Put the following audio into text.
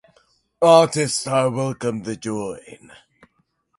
Artists are welcome to join.